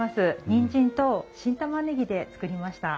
にんじんと新玉ねぎで作りました。